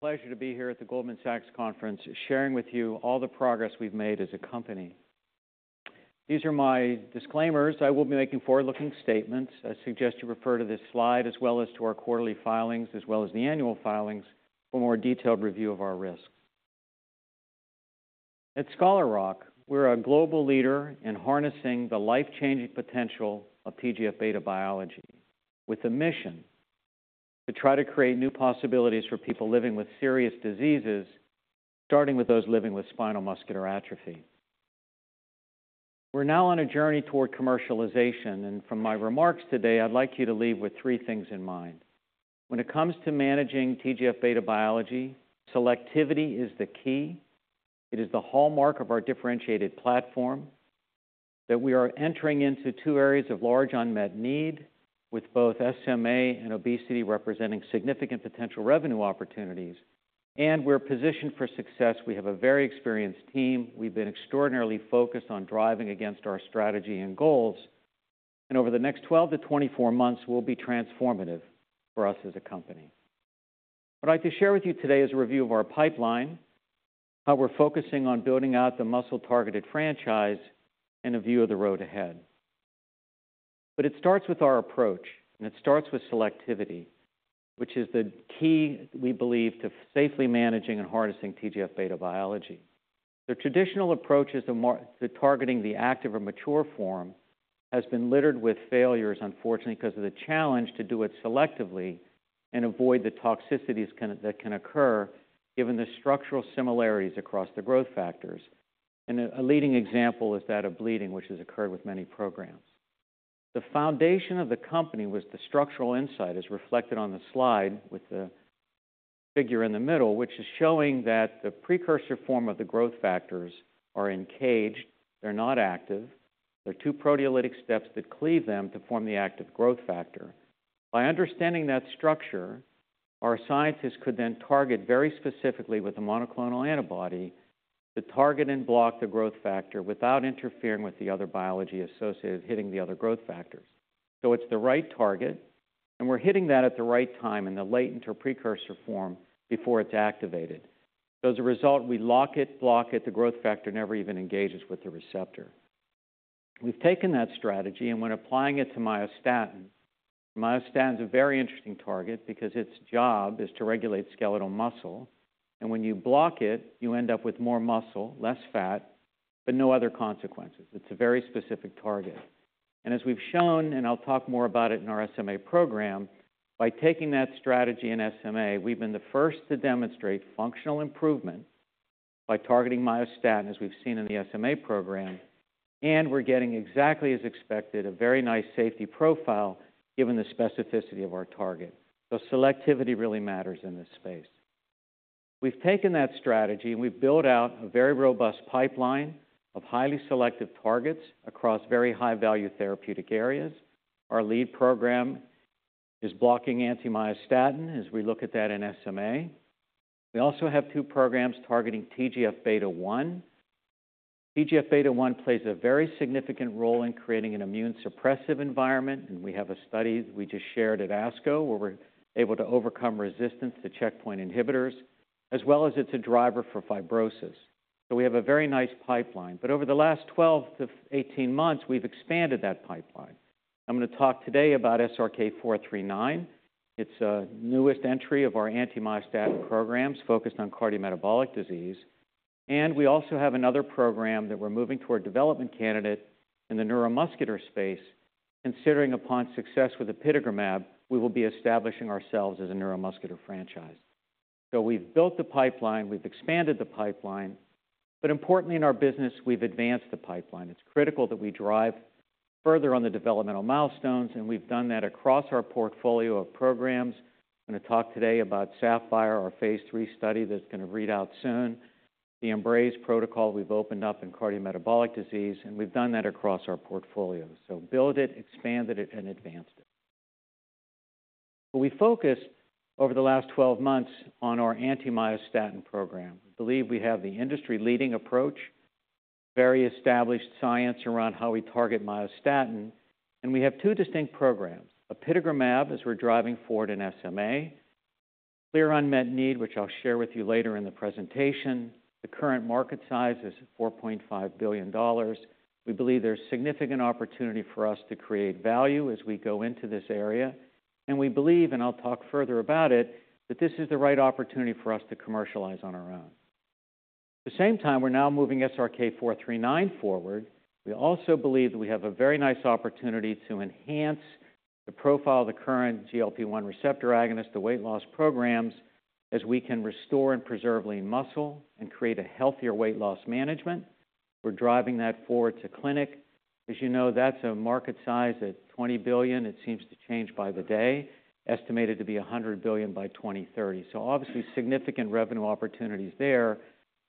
Pleasure to be here at the Goldman Sachs conference, sharing with you all the progress we've made as a company. These are my disclaimers. I will be making forward-looking statements. I suggest you refer to this slide as well as to our quarterly filings, as well as the annual filings for more detailed review of our risks. At Scholar Rock, we're a global leader in harnessing the life-changing potential of TGF-β biology, with a mission to try to create new possibilities for people living with serious diseases, starting with those living with spinal muscular atrophy. We're now on a journey toward commercialization, and from my remarks today, I'd like you to leave with three things in mind. When it comes to managing TGF-β biology, selectivity is the key. It is the hallmark of our differentiated platform, that we are entering into two areas of large unmet need, with both SMA and obesity representing significant potential revenue opportunities. We're positioned for success. We have a very experienced team. We've been extraordinarily focused on driving against our strategy and goals, and over the next 12-24 months will be transformative for us as a company. What I'd like to share with you today is a review of our pipeline, how we're focusing on building out the muscle-targeted franchise, and a view of the road ahead. It starts with our approach, and it starts with selectivity, which is the key, we believe, to safely managing and harnessing TGF-β biology. The traditional approaches to targeting the active or mature form has been littered with failures, unfortunately, because of the challenge to do it selectively and avoid the toxicities that can occur, given the structural similarities across the growth factors. A leading example is that of bleeding, which has occurred with many programs. The foundation of the company was the structural insight, as reflected on the slide with the figure in the middle, which is showing that the precursor form of the growth factors are encaged. They're not active. There are two proteolytic steps that cleave them to form the active growth factor. By understanding that structure, our scientists could then target very specifically with a monoclonal antibody, to target and block the growth factor without interfering with the other biology associated with hitting the other growth factors. So it's the right target, and we're hitting that at the right time in the latent or precursor form before it's activated. So as a result, we lock it, block it, the growth factor never even engages with the receptor. We've taken that strategy, and we're applying it to myostatin. Myostatin is a very interesting target because its job is to regulate skeletal muscle, and when you block it, you end up with more muscle, less fat, but no other consequences. It's a very specific target. And as we've shown, and I'll talk more about it in our SMA program, by taking that strategy in SMA, we've been the first to demonstrate functional improvement by targeting myostatin, as we've seen in the SMA program, and we're getting exactly as expected, a very nice safety profile, given the specificity of our target. So selectivity really matters in this space. We've taken that strategy, and we've built out a very robust pipeline of highly selective targets across very high-value therapeutic areas. Our lead program is blocking anti-myostatin, as we look at that in SMA. We also have two programs targeting TGF-β1. TGF-β1 plays a very significant role in creating an immunosuppressive environment, and we have a study we just shared at ASCO, where we're able to overcome resistance to checkpoint inhibitors, as well as it's a driver for fibrosis. So we have a very nice pipeline. But over the last 12-18 months, we've expanded that pipeline. I'm going to talk today about SRK-439. It's a newest entry of our anti-myostatin programs focused on cardiometabolic disease. And we also have another program that we're moving toward development candidate in the neuromuscular space. Considering upon success with apitegromab, we will be establishing ourselves as a neuromuscular franchise. So we've built the pipeline, we've expanded the pipeline, but importantly, in our business, we've advanced the pipeline. It's critical that we drive further on the developmental milestones, and we've done that across our portfolio of programs. I'm going to talk today about SAPPHIRE, our phase III study, that's going to read out soon, the EMBRAZE protocol we've opened up in cardiometabolic disease, and we've done that across our portfolio. So built it, expanded it, and advanced it. But we focused over the last 12 months on our anti-myostatin program. I believe we have the industry-leading approach, very established science around how we target myostatin, and we have two distinct programs. Apitegromab, as we're driving forward in SMA, clear unmet need, which I'll share with you later in the presentation. The current market size is $4.5 billion. We believe there's significant opportunity for us to create value as we go into this area, and we believe, and I'll talk further about it, that this is the right opportunity for us to commercialize on our own. At the same time, we're now moving SRK-439 forward. We also believe that we have a very nice opportunity to enhance the profile of the current GLP-1 receptor agonist, the weight loss programs, as we can restore and preserve lean muscle and create a healthier weight loss management. We're driving that forward to clinic. As you know, that's a market size at $20 billion. It seems to change by the day, estimated to be $100 billion by 2030. So obviously, significant revenue opportunities there.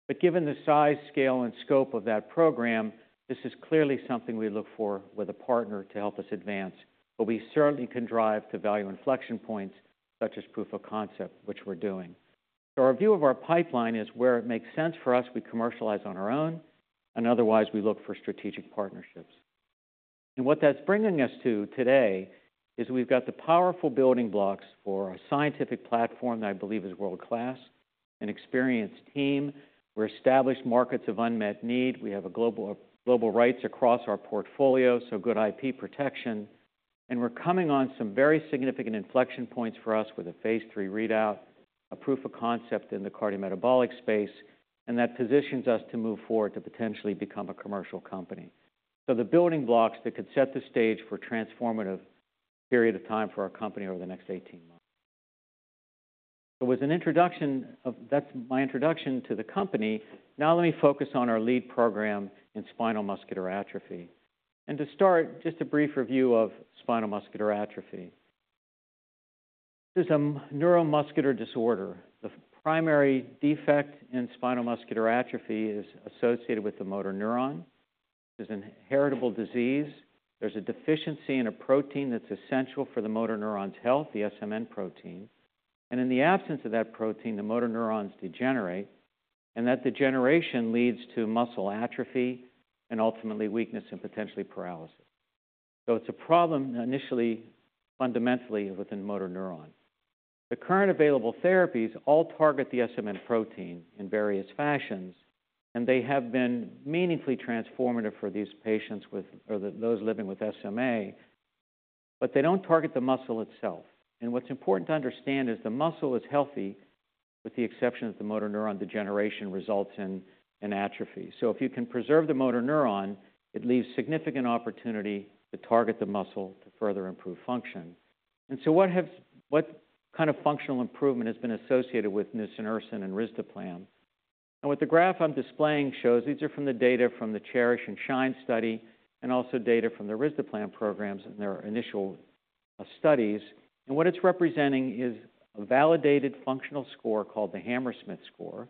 But given the size, scale, and scope of that program, this is clearly something we look for with a partner to help us advance. But we certainly can drive to value inflection points, such as proof of concept, which we're doing. So our view of our pipeline is where it makes sense for us, we commercialize on our own, and otherwise, we look for strategic partnerships. And what that's bringing us to today is we've got the powerful building blocks for a scientific platform that I believe is world-class, an experienced team. We're established markets of unmet need. We have a global, global rights across our portfolio, so good IP protection. And we're coming on some very significant inflection points for us with a phase III readout, a proof of concept in the cardiometabolic space, and that positions us to move forward to potentially become a commercial company. So the building blocks that could set the stage for transformative period of time for our company over the next 18 months. That's my introduction to the company. Now let me focus on our lead program in spinal muscular atrophy. To start, just a brief review of spinal muscular atrophy. This is a neuromuscular disorder. The primary defect in spinal muscular atrophy is associated with the motor neuron. It's a heritable disease. There's a deficiency in a protein that's essential for the motor neuron's health, the SMN protein. And in the absence of that protein, the motor neurons degenerate, and that degeneration leads to muscle atrophy and ultimately weakness and potentially paralysis. So it's a problem initially, fundamentally within the motor neuron. The current available therapies all target the SMN protein in various fashions, and they have been meaningfully transformative for these patients with or those living with SMA, but they don't target the muscle itself. What's important to understand is the muscle is healthy, with the exception of the motor neuron degeneration results in atrophy. So if you can preserve the motor neuron, it leaves significant opportunity to target the muscle to further improve function. And so what kind of functional improvement has been associated with nusinersen and risdiplam? And what the graph I'm displaying shows, these are from the data from the CHERISH and SHINE study, and also data from the risdiplam programs in their initial studies. And what it's representing is a validated functional score called the Hammersmith score.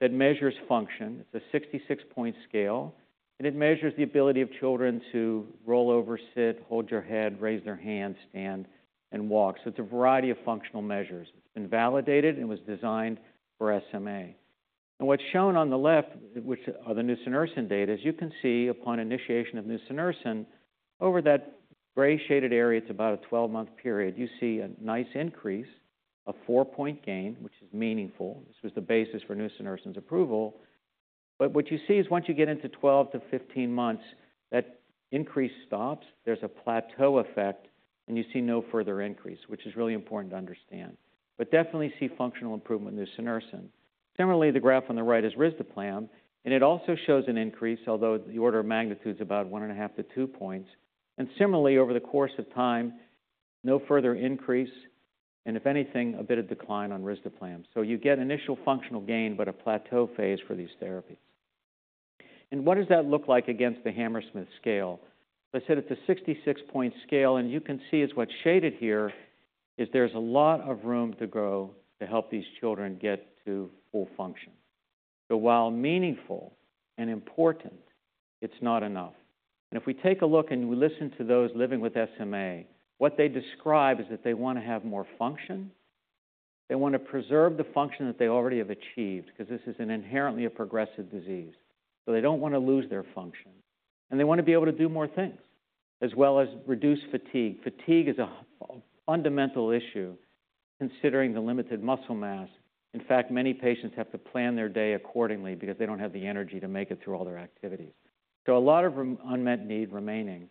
It measures function. It's a 66-point scale, and it measures the ability of children to roll over, sit, hold your head, raise their hand, stand, and walk. So it's a variety of functional measures. It's been validated and was designed for SMA. What's shown on the left, which are the nusinersen data, as you can see, upon initiation of nusinersen, over that gray shaded area, it's about a 12-month period, you see a nice increase, a four point gain, which is meaningful. This was the basis for nusinersen's approval. But what you see is once you get into 12-15 months, that increase stops, there's a plateau effect, and you see no further increase, which is really important to understand. But definitely see functional improvement with nusinersen. Similarly, the graph on the right is risdiplam, and it also shows an increase, although the order of magnitude is about 1.5-2 points. And similarly, over the course of time, no further increase, and if anything, a bit of decline on risdiplam. So you get initial functional gain, but a plateau phase for these therapies. What does that look like against the Hammersmith scale? I said it's a 66-point scale, and you can see is what's shaded here is there's a lot of room to grow to help these children get to full function. So while meaningful and important, it's not enough. If we take a look and we listen to those living with SMA, what they describe is that they want to have more function. They want to preserve the function that they already have achieved, because this is inherently a progressive disease. So they don't want to lose their function, and they want to be able to do more things, as well as reduce fatigue. Fatigue is a fundamental issue considering the limited muscle mass. In fact, many patients have to plan their day accordingly because they don't have the energy to make it through all their activities. So, a lot of room unmet need remaining.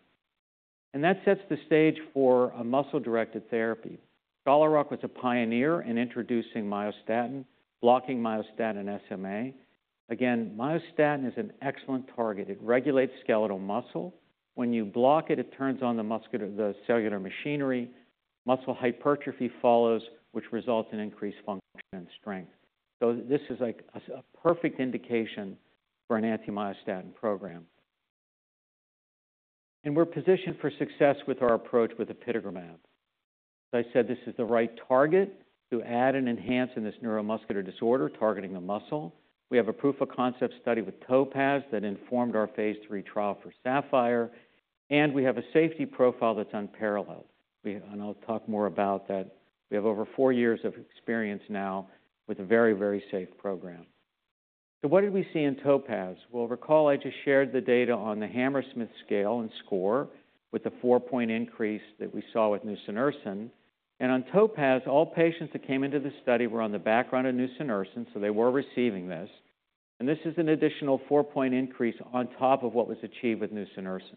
That sets the stage for a muscle-directed therapy. Scholar Rock was a pioneer in introducing myostatin, blocking myostatin in SMA. Again, myostatin is an excellent target. It regulates skeletal muscle. When you block it, it turns on the cellular machinery. Muscle hypertrophy follows, which results in increased function and strength. So this is like a perfect indication for an anti-myostatin program. We're positioned for success with our approach with apitegromab. As I said, this is the right target to add and enhance in this neuromuscular disorder, targeting the muscle. We have a proof of concept study with TOPAZ that informed our phase III trial for SAPPHIRE, and we have a safety profile that's unparalleled. We, and I'll talk more about that. We have over four years of experience now with a very, very safe program. So what did we see in TOPAZ? Well, recall, I just shared the data on the Hammersmith scale and score with the four point increase that we saw with nusinersen. And on TOPAZ, all patients that came into the study were on the background of nusinersen, so they were receiving this. And this is an additional four point increase on top of what was achieved with nusinersen.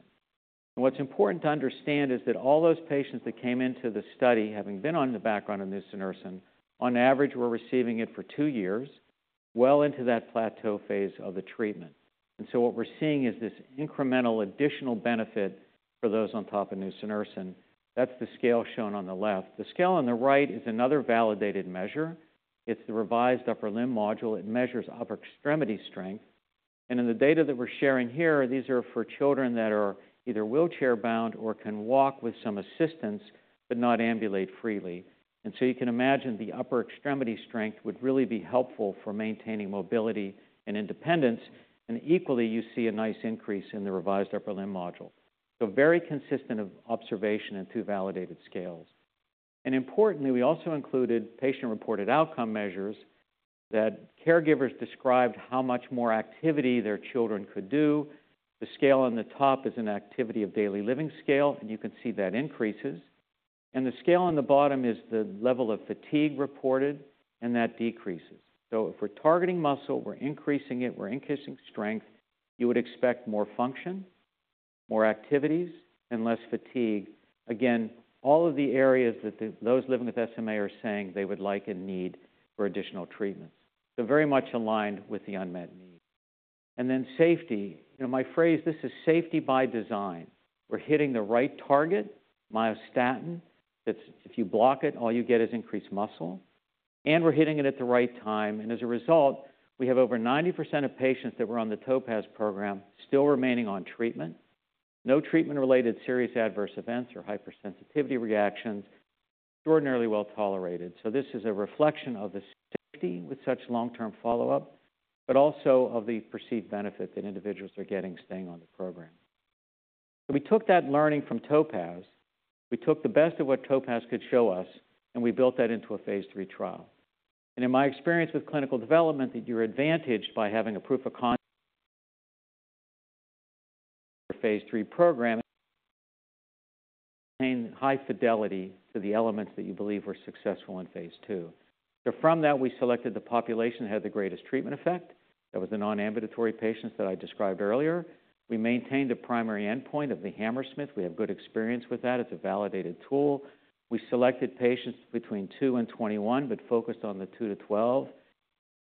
And what's important to understand is that all those patients that came into the study, having been on the background of nusinersen, on average, were receiving it for two years, well into that plateau phase of the treatment. And so what we're seeing is this incremental additional benefit for those on top of nusinersen. That's the scale shown on the left. The scale on the right is another validated measure. It's the Revised Upper Limb Module. It measures upper extremity strength. In the data that we're sharing here, these are for children that are either wheelchair-bound or can walk with some assistance, but not ambulate freely. So you can imagine the upper extremity strength would really be helpful for maintaining mobility and independence, and equally, you see a nice increase in the Revised Upper Limb Module. Very consistent observation in two validated scales. Importantly, we also included patient-reported outcome measures that caregivers described how much more activity their children could do. The scale on the top is an activity of daily living scale, and you can see that increases. The scale on the bottom is the level of fatigue reported, and that decreases. If we're targeting muscle, we're increasing it, we're increasing strength, you would expect more function, more activities, and less fatigue. Again, all of the areas that those living with SMA are saying they would like and need for additional treatments. They're very much aligned with the unmet needs. And then safety. You know, my phrase, this is safety by design. We're hitting the right target, myostatin. That's if you block it, all you get is increased muscle, and we're hitting it at the right time. And as a result, we have over 90% of patients that were on the TOPAZ program still remaining on treatment. No treatment-related serious adverse events or hypersensitivity reactions, extraordinarily well-tolerated. So this is a reflection of the safety with such long-term follow-up, but also of the perceived benefit that individuals are getting staying on the program. We took that learning from TOPAZ. We took the best of what TOPAZ could show us, and we built that into a phase III trial. In my experience with clinical development, that you're advantaged by having a proof of concept for phase III program, maintain high fidelity to the elements that you believe were successful in phase II. From that, we selected the population that had the greatest treatment effect. That was the non-ambulatory patients that I described earlier. We maintained a primary endpoint of the Hammersmith. We have good experience with that. It's a validated tool. We selected patients between two and 21, but focused on the two to 12.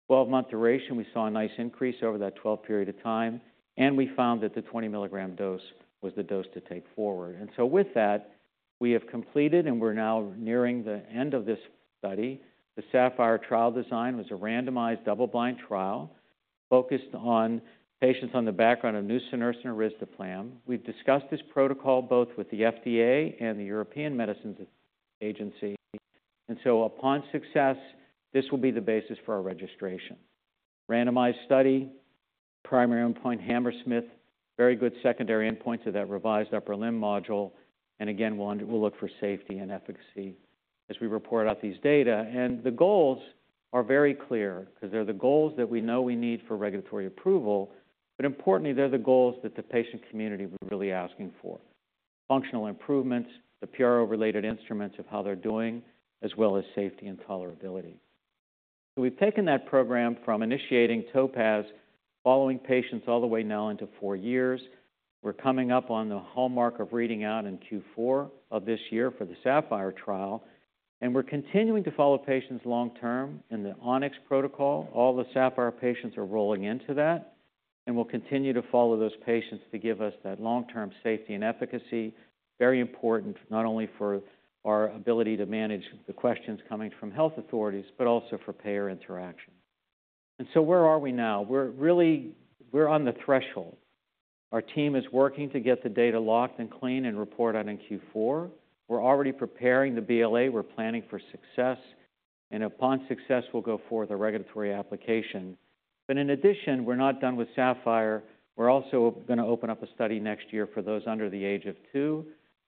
12-month duration, we saw a nice increase over that 12 period of time, and we found that the 20 mg dose was the dose to take forward. And so with that, we have completed, and we're now nearing the end of this study. The SAPPHIRE trial design was a randomized, double-blind trial focused on patients on the background of nusinersen or risdiplam. We've discussed this protocol both with the FDA and the European Medicines Agency, and so upon success, this will be the basis for our registration. Randomized study, primary endpoint, Hammersmith, very good secondary endpoints of that Revised Upper Limb Module, and again, we'll look for safety and efficacy as we report out these data. And the goals are very clear because they're the goals that we know we need for regulatory approval, but importantly, they're the goals that the patient community were really asking for. Functional improvements, the PRO-related instruments of how they're doing, as well as safety and tolerability. So we've taken that program from initiating TOPAZ, following patients all the way now into four years. We're coming up on the hallmark of reading out in Q4 of this year for the SAPPHIRE trial, and we're continuing to follow patients long term in the ONYX protocol. All the SAPPHIRE patients are rolling into that, and we'll continue to follow those patients to give us that long-term safety and efficacy. Very important, not only for our ability to manage the questions coming from health authorities, but also for payer interaction. And so where are we now? We're really, we're on the threshold. Our team is working to get the data locked and clean and report out in Q4. We're already preparing the BLA. We're planning for success, and upon success, we'll go forth with a regulatory application. But in addition, we're not done with SAPPHIRE. We're also gonna open up a study next year for those under the age of two.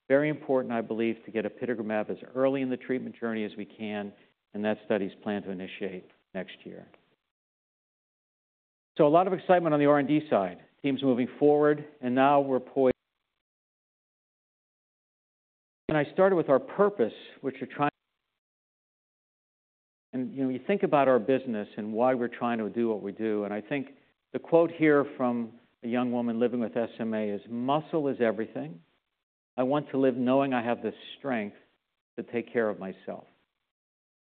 Very important, I believe, to get apitegromab as early in the treatment journey as we can, and that study is planned to initiate next year. A lot of excitement on the R&D side, teams moving forward, and now we're poised. I started with our purpose, which we're trying. You know, you think about our business and why we're trying to do what we do, and I think the quote here from a young woman living with SMA is: "Muscle is everything. I want to live knowing I have the strength to take care of myself."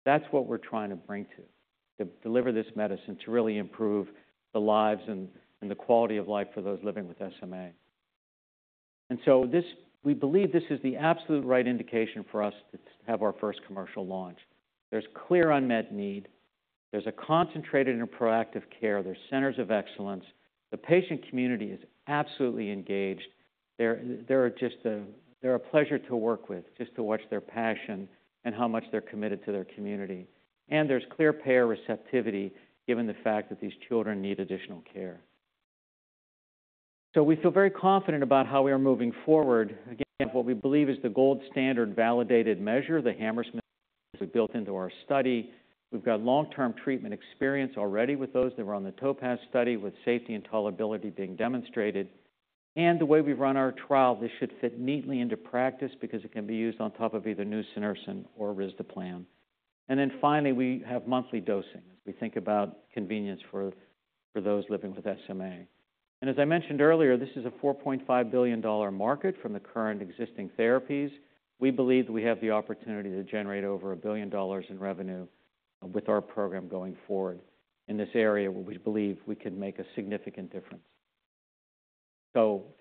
That's what we're trying to bring to deliver this medicine, to really improve the lives and the quality of life for those living with SMA. This we believe is the absolute right indication for us to have our first commercial launch. There's clear unmet need. There's a concentrated and proactive care. There's centers of excellence. The patient community is absolutely engaged. They're a pleasure to work with, just to watch their passion and how much they're committed to their community. And there's clear payer receptivity, given the fact that these children need additional care. So we feel very confident about how we are moving forward. Again, what we believe is the gold standard, validated measure, the Hammersmith, we built into our study. We've got long-term treatment experience already with those that were on the TOPAZ study, with safety and tolerability being demonstrated. And the way we run our trial, this should fit neatly into practice because it can be used on top of either nusinersen or risdiplam. And then finally, we have monthly dosing, as we think about convenience for those living with SMA. And as I mentioned earlier, this is a $4.5 billion market from the current existing therapies. We believe we have the opportunity to generate over $1 billion in revenue with our program going forward in this area, where we believe we can make a significant difference.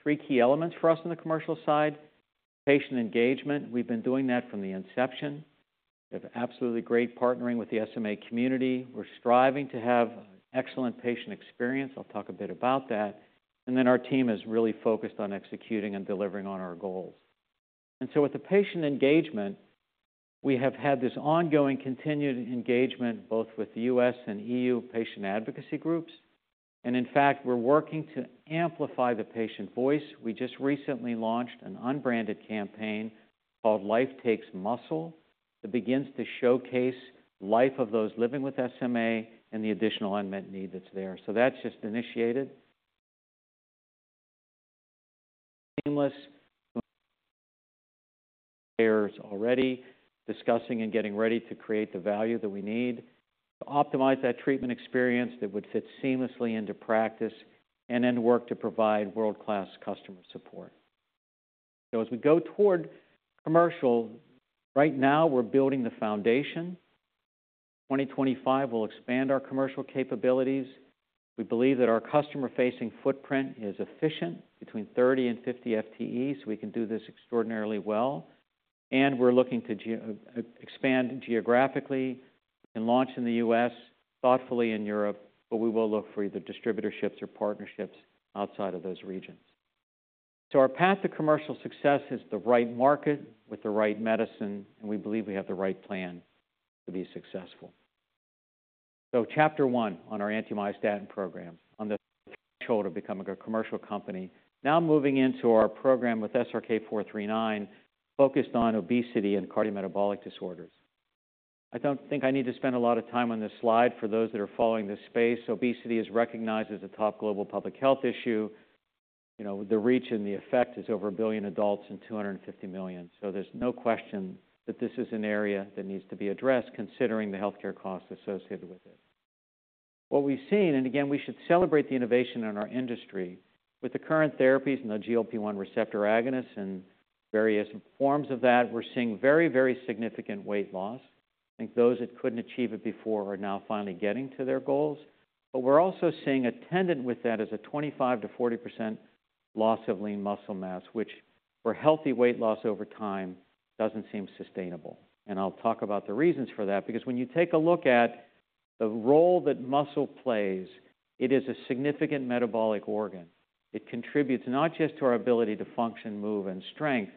Three key elements for us on the commercial side: patient engagement; we've been doing that from the inception. We have absolutely great partnering with the SMA community. We're striving to have excellent patient experience. I'll talk a bit about that. Then our team is really focused on executing and delivering on our goals. With the patient engagement, we have had this ongoing, continued engagement, both with the U.S. and EU patient advocacy groups. In fact, we're working to amplify the patient voice. We just recently launched an unbranded campaign called Life Takes Muscle. It begins to showcase life of those living with SMA and the additional unmet need that's there. That's just initiated. Seamless. Already discussing and getting ready to create the value that we need to optimize that treatment experience that would fit seamlessly into practice and then work to provide world-class customer support. As we go toward commercial, right now, we're building the foundation. 2025, we'll expand our commercial capabilities. We believe that our customer-facing footprint is efficient between 30 and 50 FTEs. We can do this extraordinarily well, and we're looking to expand geographically and launch in the US, thoughtfully in Europe, but we will look for either distributorships or partnerships outside of those regions. Our path to commercial success is the right market with the right medicine, and we believe we have the right plan to be successful. Chapter one on our anti-myostatin program on the road to becoming a commercial company. Now moving into our program with SRK-439, focused on obesity and cardiometabolic disorders. I don't think I need to spend a lot of time on this slide. For those that are following this space, obesity is recognized as a top global public health issue. You know, the reach and the effect is over 1 billion adults and 250 million. So there's no question that this is an area that needs to be addressed, considering the healthcare costs associated with it. What we've seen, and again, we should celebrate the innovation in our industry, with the current therapies and the GLP-1 receptor agonists and various forms of that, we're seeing very, very significant weight loss. I think those that couldn't achieve it before are now finally getting to their goals. But we're also seeing attendant with that is a 25%-40% loss of lean muscle mass, which for healthy weight loss over time, doesn't seem sustainable. And I'll talk about the reasons for that, because when you take a look at the role that muscle plays, it is a significant metabolic organ. It contributes not just to our ability to function, move, and strength,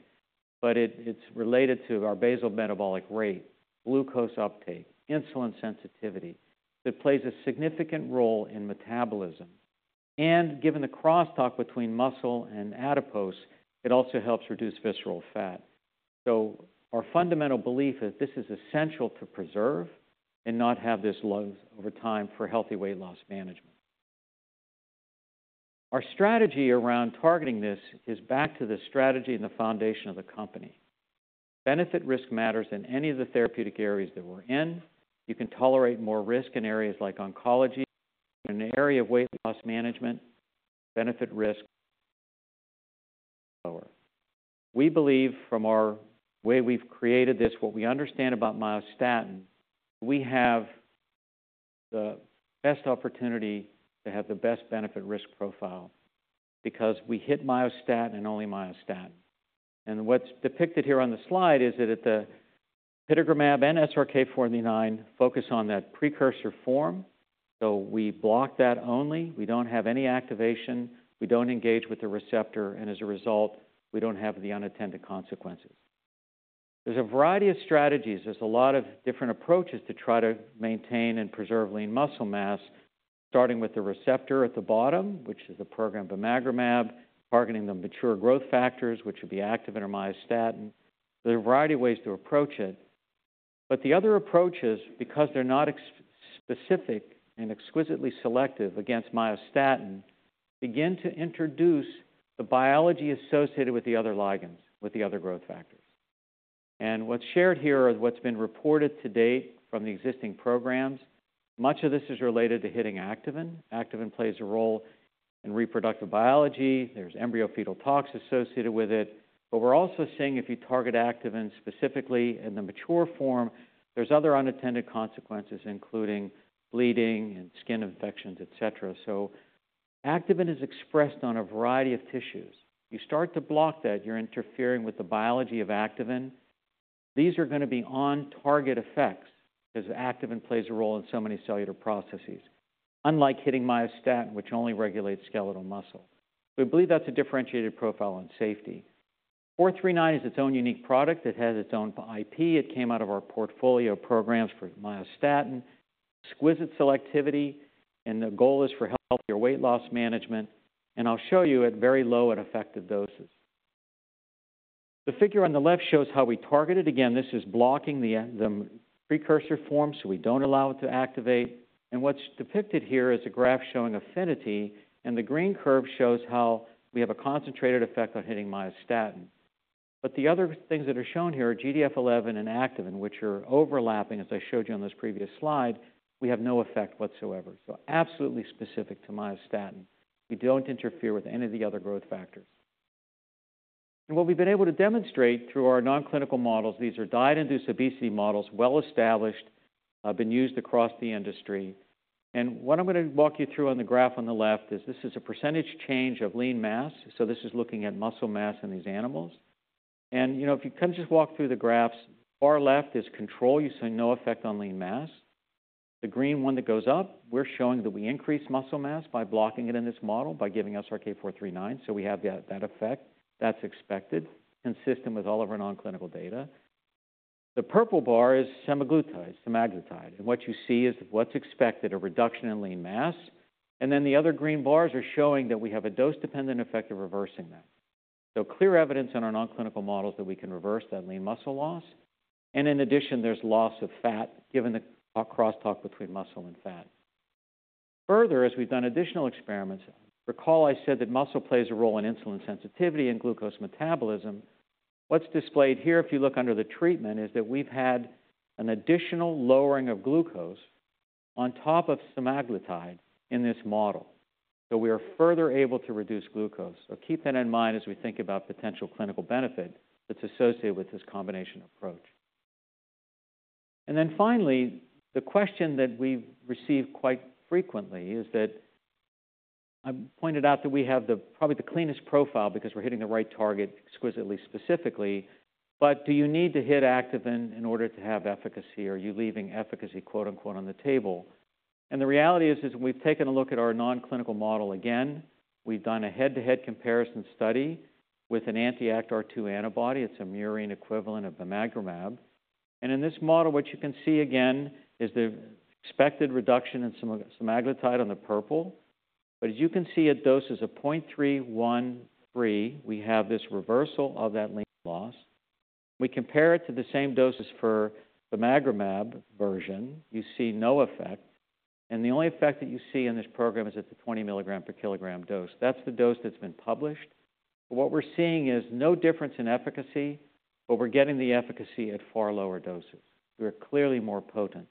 but it, it's related to our basal metabolic rate, glucose uptake, insulin sensitivity. It plays a significant role in metabolism. And given the crosstalk between muscle and adipose, it also helps reduce visceral fat. So our fundamental belief is this is essential to preserve and not have this loss over time for healthy weight loss management. Our strategy around targeting this is back to the strategy and the foundation of the company. Benefit risk matters in any of the therapeutic areas that we're in. You can tolerate more risk in areas like oncology. In the area of weight loss management, benefit-risk lower. We believe from our way we've created this, what we understand about myostatin, we have the best opportunity to have the best benefit-risk profile because we hit myostatin and only myostatin. And what's depicted here on the slide is that Apitegromab and SRK-439 focus on that precursor form. So we block that only. We don't have any activation, we don't engage with the receptor, and as a result, we don't have the unintended consequences. There's a variety of strategies. There's a lot of different approaches to try to maintain and preserve lean muscle mass, starting with the receptor at the bottom, which is the program bimagrumab, targeting the mature growth factors, which would be activin or myostatin. There are a variety of ways to approach it, but the other approaches, because they're not exquisitely specific and exquisitely selective against myostatin, begin to introduce the biology associated with the other ligands, with the other growth factors. And what's shared here are what's been reported to date from the existing programs. Much of this is related to hitting activin. Activin plays a role in reproductive biology. There's embryo-fetal tox associated with it, but we're also seeing if you target activin specifically in the mature form, there's other unintended consequences, including bleeding and skin infections, et cetera. So activin is expressed on a variety of tissues. You start to block that, you're interfering with the biology of activin. These are gonna be on-target effects as activin plays a role in so many cellular processes, unlike hitting myostatin, which only regulates skeletal muscle. We believe that's a differentiated profile on safety. SRK-439 is its own unique product. It has its own IP. It came out of our portfolio of programs for myostatin, exquisite selectivity, and the goal is for healthier weight loss management, and I'll show you at very low and effective doses. The figure on the left shows how we target it. Again, this is blocking the precursor form, so we don't allow it to activate. And what's depicted here is a graph showing affinity, and the green curve shows how we have a concentrated effect on hitting myostatin. But the other things that are shown here are GDF-11 and activin, which are overlapping, as I showed you on this previous slide. We have no effect whatsoever, so absolutely specific to myostatin. We don't interfere with any of the other growth factors. What we've been able to demonstrate through our non-clinical models, these are diet-induced obesity models, well-established, been used across the industry. And what I'm gonna walk you through on the graph on the left is this is a percentage change of lean mass. So this is looking at muscle mass in these animals. And, you know, if you kind of just walk through the graphs, far left is control, you see no effect on lean mass. The green one that goes up, we're showing that we increase muscle mass by blocking it in this model, by giving SRK-439. So we have that, that effect. That's expected, consistent with all of our non-clinical data. The purple bar is semaglutide, semaglutide, and what you see is what's expected, a reduction in lean mass. And then the other green bars are showing that we have a dose-dependent effect of reversing that. So clear evidence in our non-clinical models that we can reverse that lean muscle loss, and in addition, there's loss of fat, given the cross talk between muscle and fat. Further, as we've done additional experiments, recall I said that muscle plays a role in insulin sensitivity and glucose metabolism. What's displayed here, if you look under the treatment, is that we've had an additional lowering of glucose on top of semaglutide in this model. So we are further able to reduce glucose. So keep that in mind as we think about potential clinical benefit that's associated with this combination approach. And then finally, the question that we've received quite frequently is that I've pointed out that we have the, probably the cleanest profile because we're hitting the right target exquisitely, specifically. But do you need to hit activin in order to have efficacy, or are you leaving efficacy, quote, unquote, "on the table?" And the reality is, we've taken a look at our non-clinical model again. We've done a head-to-head comparison study with an anti-ActRIIB antibody. It's a murine equivalent of the bimagrumab. And in this model, what you can see again is the expected reduction in semaglutide on the purple. But as you can see, at doses of 0.313, we have this reversal of that lean loss. We compare it to the same doses for the bimagrumab version, you see no effect, and the only effect that you see in this program is at the 20 mg/kg dose. That's the dose that's been published. What we're seeing is no difference in efficacy, but we're getting the efficacy at far lower doses. We're clearly more potent,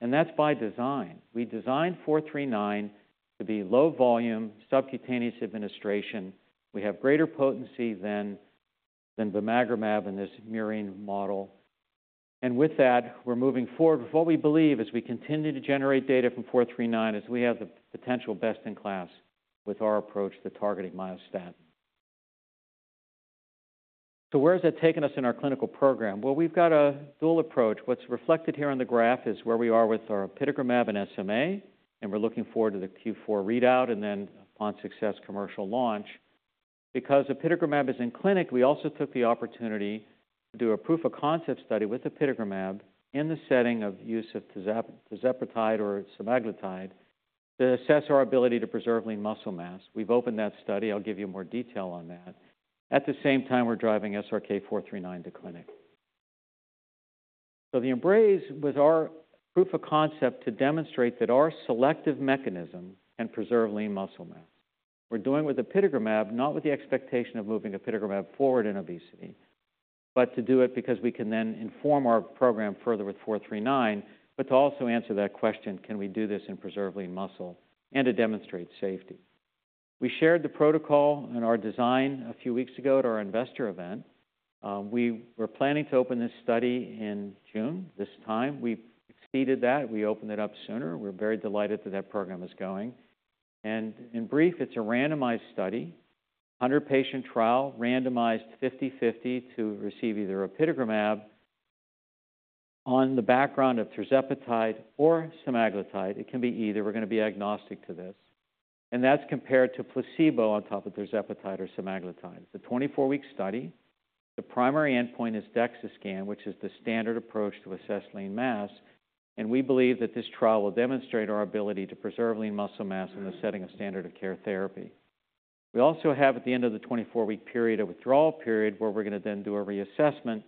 and that's by design. We designed 439 to be low volume, subcutaneous administration. We have greater potency than bimagrumab in this murine model. And with that, we're moving forward with what we believe as we continue to generate data from 439, is we have the potential best-in-class with our approach to targeting myostatin. So where has that taken us in our clinical program? Well, we've got a dual approach. What's reflected here on the graph is where we are with our apitegromab and SMA, and we're looking forward to the Q4 readout and then upon success, commercial launch. Because apitegromab is in clinic, we also took the opportunity to do a proof of concept study with apitegromab in the setting of use of tirzepatide or semaglutide to assess our ability to preserve lean muscle mass. We've opened that study. I'll give you more detail on that. At the same time, we're driving SRK-439 to clinic. So the EMBRAZE was our proof of concept to demonstrate that our selective mechanism can preserve lean muscle mass. We're doing with apitegromab, not with the expectation of moving apitegromab forward in obesity, but to do it because we can then inform our program further with 439, but to also answer that question, can we do this and preserve lean muscle and to demonstrate safety? We shared the protocol and our design a few weeks ago at our investor event. We were planning to open this study in June. This time, we've exceeded that. We opened it up sooner. We're very delighted that that program is going. In brief, it's a randomized study, hundred patient trial, randomized 50/50 to receive either apitegromab on the background of tirzepatide or semaglutide. It can be either. We're going to be agnostic to this, and that's compared to placebo on top of tirzepatide or semaglutide. It's a 24-week study. The primary endpoint is DEXA scan, which is the standard approach to assess lean mass, and we believe that this trial will demonstrate our ability to preserve lean muscle mass in the setting of standard of care therapy. We also have, at the end of the 24-week period, a withdrawal period where we're going to then do a reassessment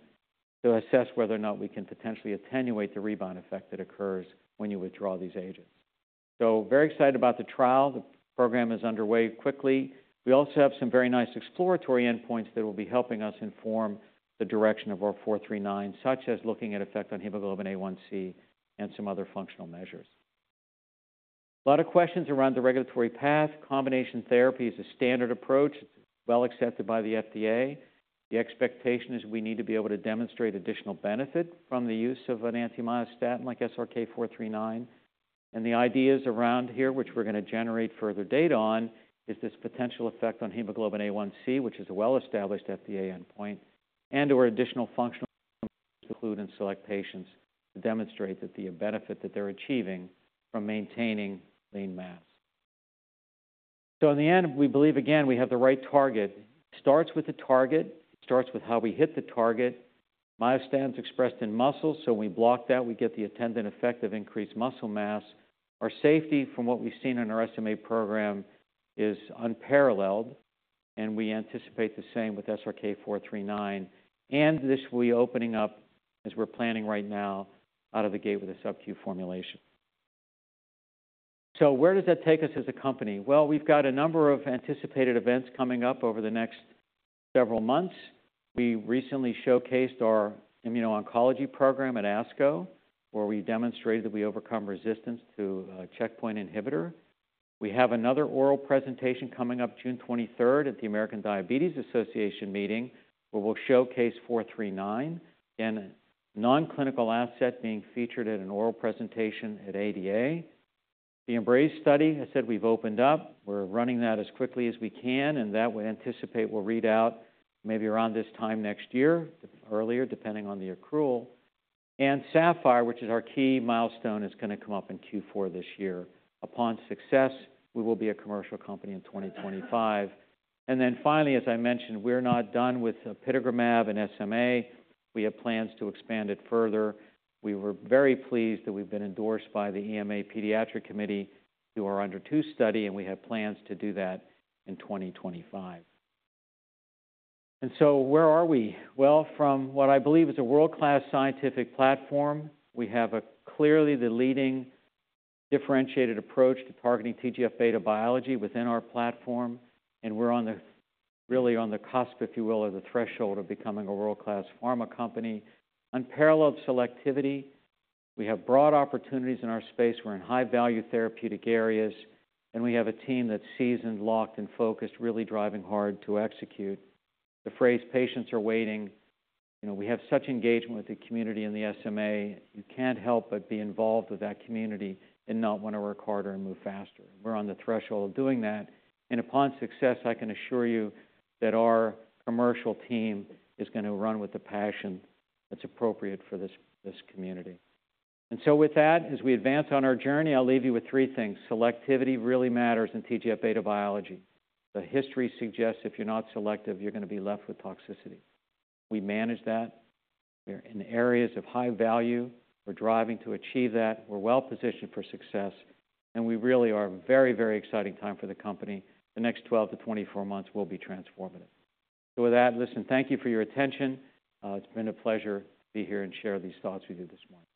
to assess whether or not we can potentially attenuate the rebound effect that occurs when you withdraw these agents. So very excited about the trial. The program is underway quickly. We also have some very nice exploratory endpoints that will be helping us inform the direction of our 439, such as looking at effect on hemoglobin A1c and some other functional measures. A lot of questions around the regulatory path. Combination therapy is a standard approach, well accepted by the FDA. The expectation is we need to be able to demonstrate additional benefit from the use of an anti-myostatin like SRK-439. The ideas around here, which we're going to generate further data on, is this potential effect on hemoglobin A1c, which is a well-established FDA endpoint, and or additional functional include in select patients to demonstrate that the benefit that they're achieving from maintaining lean mass. So in the end, we believe, again, we have the right target. Starts with the target, starts with how we hit the target. Myostatin is expressed in muscle, so when we block that, we get the attendant effect of increased muscle mass. Our safety, from what we've seen in our SMA program, is unparalleled, and we anticipate the same with SRK-439. This will be opening up as we're planning right now out of the gate with a subQ formulation. Where does that take us as a company? Well, we've got a number of anticipated events coming up over the next several months. We recently showcased our immuno-oncology program at ASCO, where we demonstrated that we overcome resistance to a checkpoint inhibitor. We have another oral presentation coming up June 23rd at the American Diabetes Association meeting, where we'll showcase 439 in a non-clinical asset being featured at an oral presentation at ADA. The EMBRAZE study, I said we've opened up. We're running that as quickly as we can, and that we anticipate will read out maybe around this time next year, earlier, depending on the accrual. And SAPPHIRE, which is our key milestone, is going to come up in Q4 this year. Upon success, we will be a commercial company in 2025. And then finally, as I mentioned, we're not done with apitegromab and SMA. We have plans to expand it further. We were very pleased that we've been endorsed by the EMA Pediatric Committee, through our under two study, and we have plans to do that in 2025. And so where are we? Well, from what I believe is a world-class scientific platform, we have clearly the leading differentiated approach to targeting TGF-β biology within our platform, and we're on the, really on the cusp, if you will, or the threshold of becoming a world-class pharma company. Unparalleled selectivity. We have broad opportunities in our space. We're in high-value therapeutic areas, and we have a team that's seasoned, locked, and focused, really driving hard to execute. The phrase, "Patients are waiting," you know, we have such engagement with the community in the SMA, you can't help but be involved with that community and not want to work harder and move faster. We're on the threshold of doing that, and upon success, I can assure you that our commercial team is going to run with the passion that's appropriate for this, this community. So with that, as we advance on our journey, I'll leave you with three things. Selectivity really matters in TGF-β biology. The history suggests if you're not selective, you're going to be left with toxicity. We manage that. We're in areas of high value. We're driving to achieve that. We're well-positioned for success, and we really are a very, very exciting time for the company. The next 12-24 months will be transformative. So with that, listen, thank you for your attention. It's been a pleasure to be here and share these thoughts with you this morning.